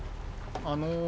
あの。